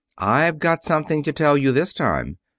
I've got something to tell you this time.